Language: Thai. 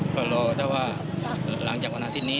ก็รอถ้าว่าหลังจากวันนั้นที่นี้